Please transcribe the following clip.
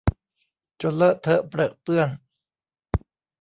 จนเลอะเทอะเปรอะเปื้อน